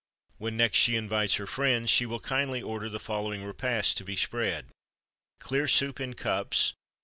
When next she invites her friends, she will kindly order the following repast to be spread: Clear soup, in cups.